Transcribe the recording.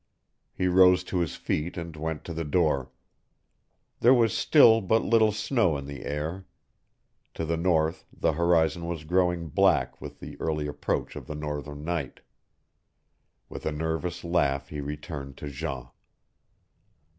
He rose to his feet and went to the door. There was still but little snow in the air. To the north the horizon was growing black with the early approach of the northern night. With a nervous laugh he returned to Jean.